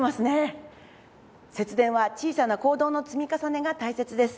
節電は小さな行動の積み重ねが大切です。